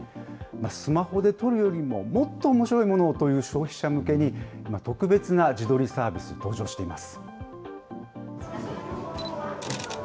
スマホで撮るよりも、もっとおもしろいものをという消費者向けに、今、特別な自撮りサービスが登場しています。